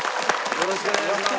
よろしくお願いします。